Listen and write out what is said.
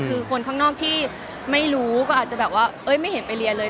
คือคนข้างนอกที่ไม่รู้ก็อาจจะแบบว่าไม่เห็นไปเรียนเลย